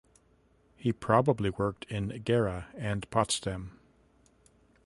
He probably worked in Gera and Potsdam.